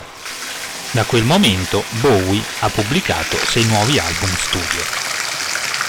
Da quel momento, Bowie ha pubblicato sei nuovi album studio.